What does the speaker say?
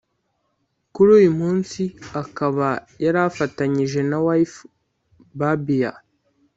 kuri uyu munsi akaba yari afatanyije na Wife Barbie